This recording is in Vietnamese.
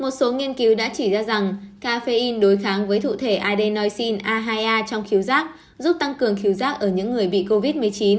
một số nghiên cứu đã chỉ ra rằng caffeine đối kháng với thụ thể adenosine a hai a trong khíu giác giúp tăng cường khíu giác ở những người bị covid một mươi chín